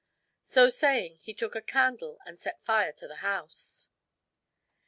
So saying, he took a candle and set fire to the house.